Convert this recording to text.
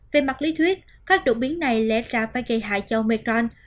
về mặt lý thuyết các đột biến này lẽ ra phải gây hại cho mekong